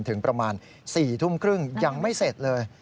ถึงประมาณ๔ทุ่มครึ่งยังไม่เสร็จเลย